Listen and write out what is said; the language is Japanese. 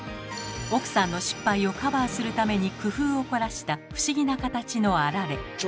奥さんの失敗をカバーするために工夫を凝らした不思議な形のあられ。